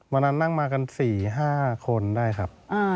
วันนั้นนั่งมากัน๔๕คนได้ครับ